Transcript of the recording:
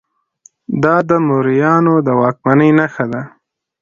دا د موریانو د واکمنۍ نښه ده